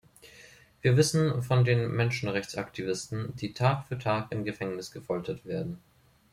Wir wissen von den Menschenrechtsaktivisten, die Tag für Tag im Gefängnis gefoltert werden.